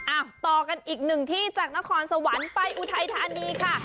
ต่อกันอีกหนึ่งที่จากนครสวรรค์ไปอุทัยธานีค่ะ